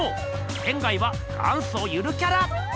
仙は元祖ゆるキャラ。